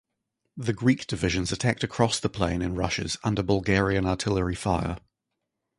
The Greek divisions attacked across the plain in rushes under Bulgarian artillery fire.